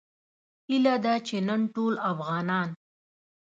هیله ده چې نن ټول افغانان